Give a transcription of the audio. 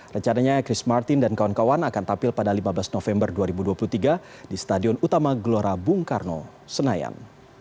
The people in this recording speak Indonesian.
rencananya chris martin dan kawan kawan akan tampil pada lima belas november dua ribu dua puluh tiga di stadion utama gelora bung karno senayan